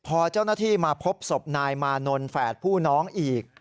พอเจ้าหน้าที่มาพบศพนายมานนท์แฝดผู้น้องอีก